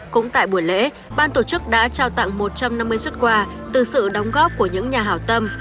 cũng tại buổi lễ ban tổ chức đã trao tặng một trăm năm mươi xuất quà từ sự đóng góp của những nhà hào tâm